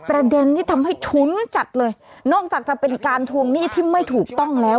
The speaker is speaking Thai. ประเด็นที่ทำให้ชุ้นจัดเลยนอกจากจะเป็นการทวงหนี้ที่ไม่ถูกต้องแล้ว